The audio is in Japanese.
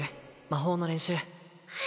魔法の練習